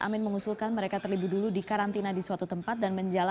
amin mengusulkan mereka terlibu dulu di karantina di suatu tempat dan menjalan isi wcm